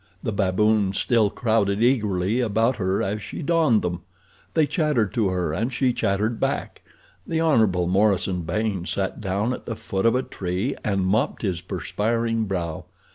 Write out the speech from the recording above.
The baboons still crowded eagerly about her as she donned them. They chattered to her and she chattered back. The Hon. Morison Baynes sat down at the foot of a tree and mopped his perspiring brow.